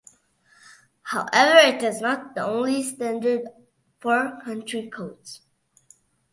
However, it is not the only standard for country codes.